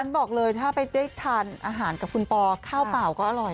บอกเลยถ้าไปได้ทานอาหารกับคุณปอข้าวเปล่าก็อร่อย